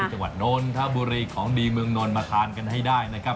จังหวัดนนทบุรีของดีเมืองนนท์มาทานกันให้ได้นะครับ